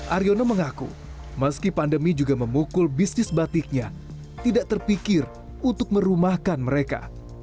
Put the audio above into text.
aryono mengaku meski pandemi juga memukul bisnis batiknya tidak terpikir untuk merumahkan mereka